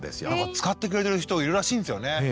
使ってくれてる人いるらしいんですよね。